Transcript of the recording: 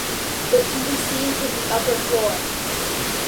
It can be seen from the upper floor.